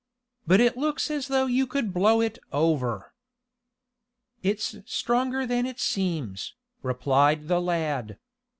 But it looks as though you could blow it over." "It's stronger than it seems," replied the lad.